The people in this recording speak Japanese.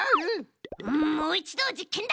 もういちどじっけんだ！